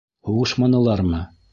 Һуғышманылармы?